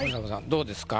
どうですか？